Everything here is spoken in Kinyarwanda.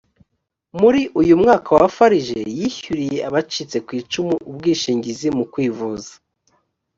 muri uyu mwaka wa farg yishyuriye abacitse ku icumu ubwishingizi mu kwivuza